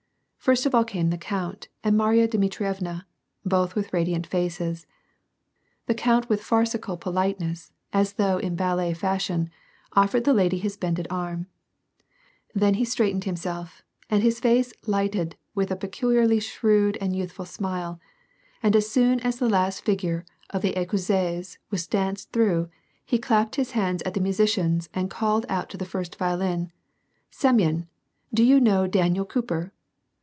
First of all came the count and Marya Dmitrievna, both with radiant faces. The count with farcical politeness, as though in ballet fashion, offered the lady his bended arm. Then he straightened himself, and his face lighted with a peculiarly shrewd and youthful smile, and as soon as the last figure of the " J^cossaise " was danced through, he clapped his hands at the musicians and called out to the first violin, —" Semyon ! Do you know 'Daniel Cooper'